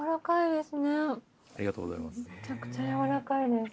めちゃくちゃやわらかいです。